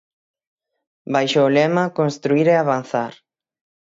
Baixo o lema "Construír e Avanzar".